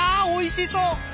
おいしそう！